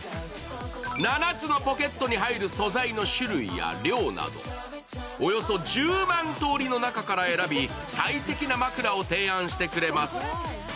７つのポケットに入る素材の種類や量など、およそ１０万とおりの中から選び、最適な枕を提案してくれます。